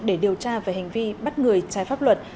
để điều tra về hành vi bắt người trái pháp luật